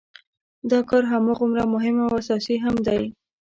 دا کار هماغومره مهم او اساسي هم دی.